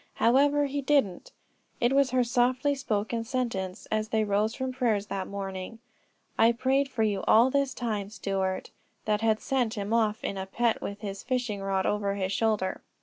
However he didn't. It was her softly spoken sentence as they rose from prayers that morning: "I prayed for you all the time, Stuart," that had sent him off in a pet with his fishing rod over his shoulder.